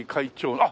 あっ